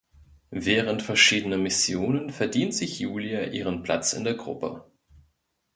Während verschiedener Missionen verdient sich Julia ihren Platz in der Gruppe.